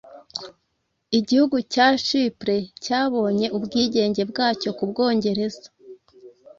Igihugu cya Chypres cyabonye ubwigenge bwacyo ku Bwongereza